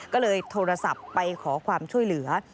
ก็เลยโทรศัพท์ไปขอความช่วยเหลือ